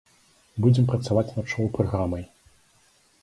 Будзем працаваць над шоў-праграмай.